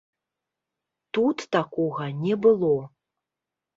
Тут такога не было.